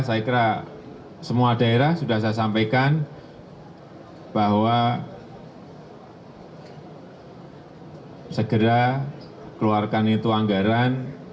saya kira semua daerah sudah saya sampaikan bahwa segera keluarkan itu anggaran